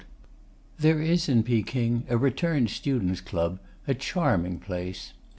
There is in Peking a "Returned Students' Club," a charming place.